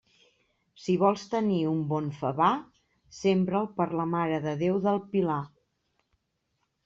Si vols tenir un bon favar, sembra'l per la Mare de Déu del Pilar.